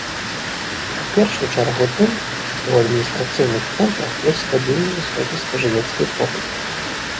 У першую чаргу тым, што ў адміністрацыйных цэнтрах ёсць стабільна высокі спажывецкі попыт.